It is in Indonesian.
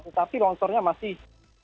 tetapi longsornya masih